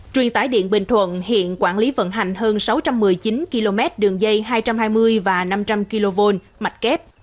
truyền tải điện bình thuận hiện quản lý vận hành hơn sáu trăm một mươi chín km đường dây hai trăm hai mươi và năm trăm linh kv mạch kép